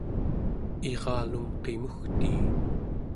iralum qimugtii